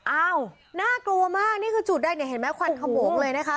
อ้าวน่ากลัวมากนี่คือจุดใดเนี่ยเห็นไหมควันขโมงเลยนะคะ